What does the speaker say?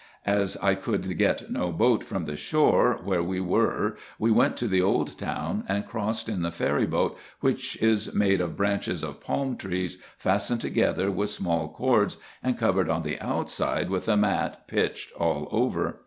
As I could get no boat from the shore where we were, we went to the old town, and crossed in the ferry boat, which is made of branches of palm trees, fastened together with small cords, and covered on the outside with a mat pitched all over.